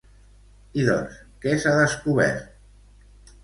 I doncs, què s'ha descobert?